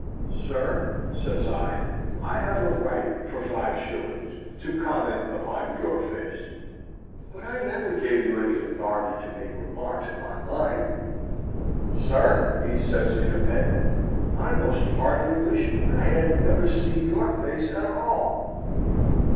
"Sir," says I, "I have a right, for five shillings, to comment upon your face, but I never gave you any authority to make remarks upon mine." "Sir," says he in a pet, "I most heartily wish I had never seen your face at all!"